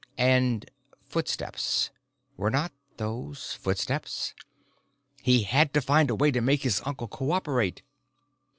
And footsteps were not those footsteps? He had to find a way to make his uncle co operate.